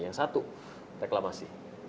yang satu reklamasi